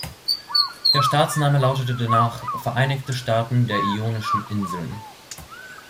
Der Staatsname lautete danach "Vereinigte Staaten der Ionischen Inseln".